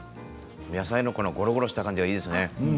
野菜のゴロゴロした感じがいいですね。